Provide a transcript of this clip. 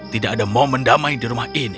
tidak ada momen damai di rumah ini